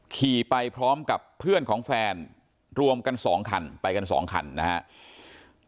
ขี่ไปพร้อมกับเพื่อนของแฟนรวมกัน๒คันไปกันสองคันนะครับ